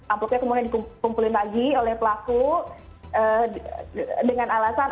amplopnya kemudian dikumpulin lagi oleh pelaku dengan alasan